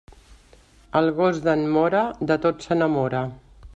El gos d'en Mora, de tot s'enamora.